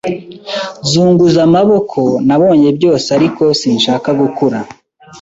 Zunguza amaboko Nabonye byose Ariko sinshaka gukura